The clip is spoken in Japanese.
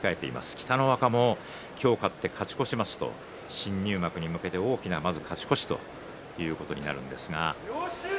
北の若が今日勝って勝ち越すと新入幕に向けて大きな勝ち越しということになります。